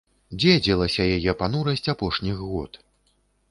Дзе дзелася яе панурасць апошніх год.